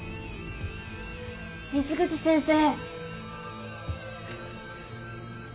水口先生。